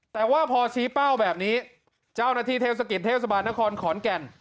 แต่ว่าพอชี้เป้าแบบนี้เจ้าหน้าที่เทศกิจเทศบาลนครขอนแก่น